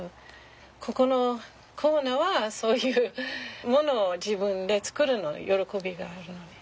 ここのコーナーはそういうものを自分で作るの喜びがあるのね。